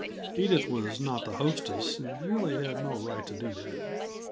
Edith was not the hostess, and had really no right to do that.